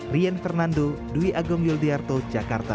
rian fernando dwi agung yuldiarto jakarta